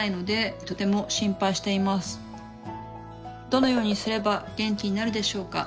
どのようにすれば元気になるでしょうか？